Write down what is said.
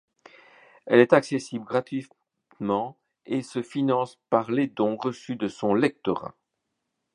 Elle est accessible gratuitement et se finance par les dons reçus de son lectorat.